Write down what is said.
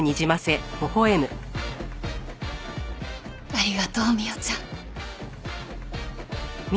ありがとう未央ちゃん。